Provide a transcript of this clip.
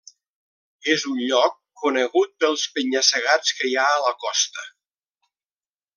És un lloc conegut pels penya-segats que hi ha a la costa.